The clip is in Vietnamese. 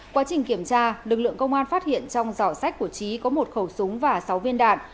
quá trình kiểm tra lực lượng công an phát hiện trong giỏ sách của trí có một khẩu súng và sáu viên đạn